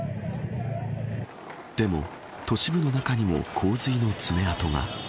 でも都市部の中にも洪水の爪痕が。